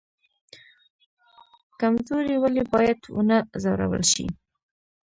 کمزوری ولې باید ونه ځورول شي؟